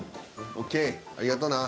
ありがとうな。